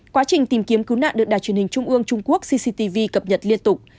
quá trình tìm kiếm cứu nạn được đài truyền hình trung ương trung quốc cctv cập nhật liên tục